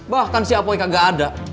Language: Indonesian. bahkan si apoi kagak ada